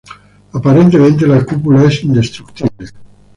Aparentemente, la cúpula es indestructible.